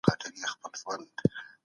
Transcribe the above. دا هر څه په لوی پروردګار پوري اړه لري.